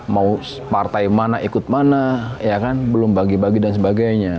mau partai mana ikut mana ya kan belum bagi bagi dan sebagainya